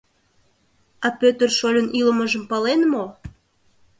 А Пӧтыр шольын илымыжым пален мо?